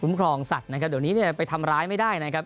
ครองสัตว์นะครับเดี๋ยวนี้เนี่ยไปทำร้ายไม่ได้นะครับ